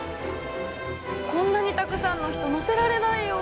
こんなにたくさんの人乗せられないよ。